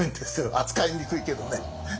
扱いにくいけどね。